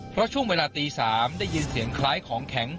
เพราะช่วงเวลาตี๓ได้ยินเสียงคล้ายของแข็ง